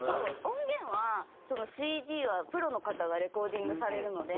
音源はＣＤはプロの方がレコーディングされるので。